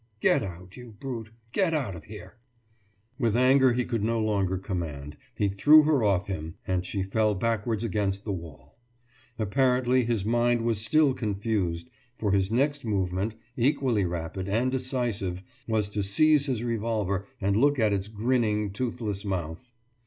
Get out, you brute! Get out of here!« With anger he could no longer command, he threw her off him and she fell backwards against the wall. Apparently his mind was still confused, for his next movement, equally rapid and decisive, was to seize his revolver and look at its grinning, toothless mouth.